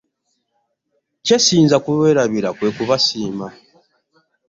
Kye ssiyinza kwerabira kwe kubasiima.